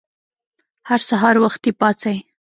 هر سهار وختي پاڅئ!